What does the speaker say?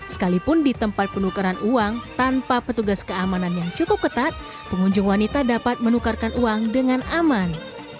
sekalipun di tempat penukaran uang tanpa petugas keamanan yang cukup ketat pengunjung wanita dapat menukarkan uang dengan aman